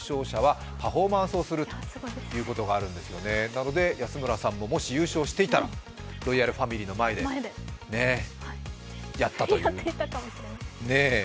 なので、安村さんももし優勝していたらロイヤルファミリーの前で、ね、やったという、ねえ。